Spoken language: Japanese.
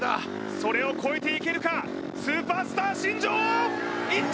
それを越えていけるかスーパースター・新庄いった！